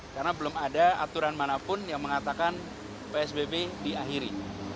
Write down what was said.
karena belum ada aturan manapun yang mengatakan psbb diakhiri